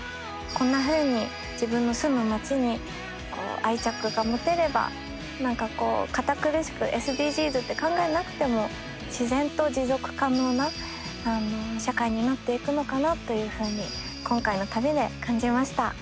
こんなふうに自分の住む町に愛着が持てれば何かこう堅苦しくＳＤＧｓって考えなくても自然と持続可能な社会になっていくのかなというふうに今回の旅で感じました。